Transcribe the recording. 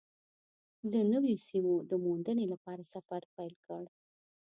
د نویو سیمو د موندنې لپاره سفر پیل کړ.